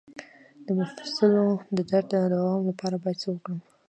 د مفصلونو د درد د دوام لپاره باید څه وکړم؟